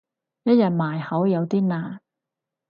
一日埋口有啲難